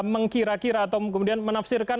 mengkira kira atau kemudian menafsirkan